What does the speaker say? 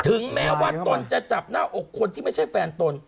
ถึงแม้ว่าตนจะจับหน้าอกคนที่ไม่ใช่แฟนตน